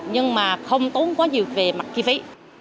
nhưng mà không tốn quá nhiều về mặt chi phí